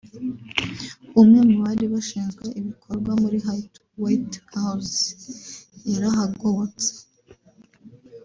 umwe mu bari bashinzwe ibikorwa muri White House yarahagobotse